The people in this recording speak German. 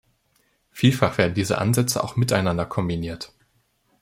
Vielfach werden diese Ansätze auch miteinander kombiniert.